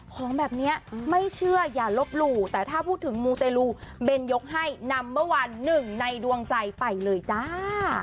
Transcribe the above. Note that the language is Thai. ของแบบนี้ไม่เชื่ออย่าลบหลู่แต่ถ้าพูดถึงมูเตลูเบนยกให้นำเมื่อวานหนึ่งในดวงใจไปเลยจ้า